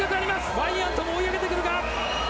ワイアントも追い上げてくるか。